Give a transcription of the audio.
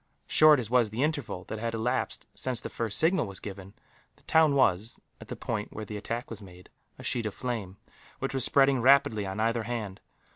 Short as was the interval that had elapsed since the first signal was given, the town was, at the point where the attack was made, a sheet of flame, which was spreading rapidly on either hand.